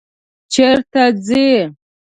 چېرې ځې؟